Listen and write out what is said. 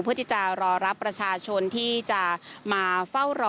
เพื่อที่จะรอรับประชาชนที่จะมาเฝ้ารอ